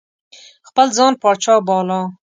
خپل ځان پاچا باله.